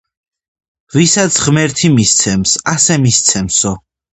ვისაც ღმერთი მისცემს, ასე მისცემსო